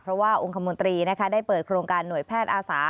เพราะว่าองค์คมนตรีได้เปิดโครงการหน่วยแพทย์อาสา